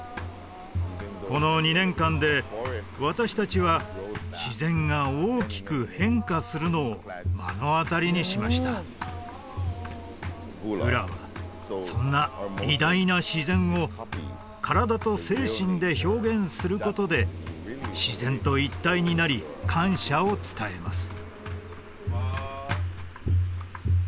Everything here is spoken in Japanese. この２年間で私達は自然が大きく変化するのを目の当たりにしましたフラはそんな偉大な自然を体と精神で表現することで自然と一体になり感謝を伝えます